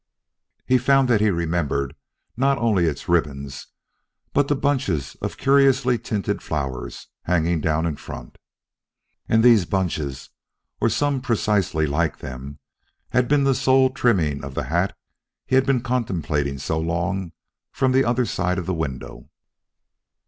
He found that he remembered not only its ribbons, but the bunches of curiously tinted flowers hanging down in front. And these bunches, or some precisely like them, had been the sole trimming of the hat he had been contemplating so long from the other side of the window.